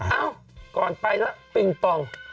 เอ้าก่อนไปแล้วปิงปอง